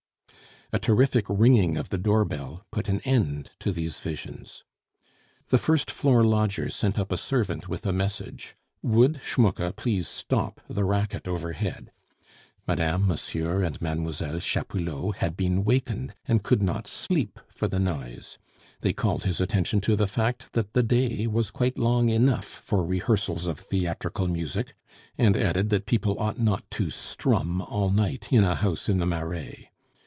A terrific ringing of the door bell put an end to these visions. The first floor lodgers sent up a servant with a message. Would Schmucke please stop the racket overhead. Madame, Monsieur, and Mademoiselle Chapoulot had been wakened, and could not sleep for the noise; they called his attention to the fact that the day was quite long enough for rehearsals of theatrical music, and added that people ought not to "strum" all night in a house in the Marais.